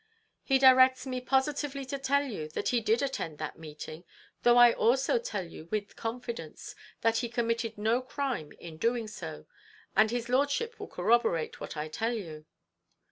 He directs me positively to tell you that he did attend that meeting; though I also tell you, with confidence, that he committed no crime in doing so, and his lordship will corroborate what I tell you.